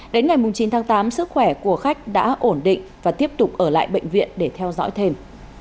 đến ngày chín tháng tám sức khỏe của khách đã ổn định và tiếp tục ở lại bệnh viện để theo dõi thêm